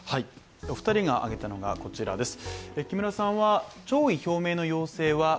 お二人が挙げたのがこちらです。